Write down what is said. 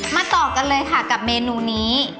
ต่อกันเลยค่ะกับเมนูนี้